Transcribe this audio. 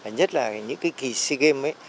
nhất là những cái kỳ sea games